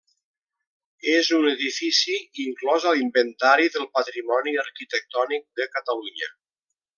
És un edifici inclòs a l'Inventari del Patrimoni Arquitectònic de Catalunya.